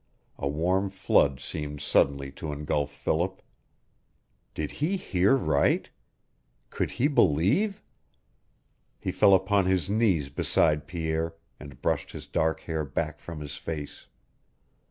A warm flood seemed suddenly to engulf Philip. Did he hear right? Could he believe? He fell upon his knees beside Pierre and brushed his dark hair back from his face.